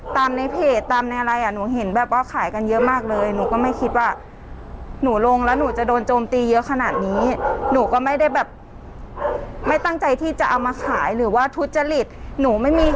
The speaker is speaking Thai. ตามในเพจตามทำอะไรอ่ะ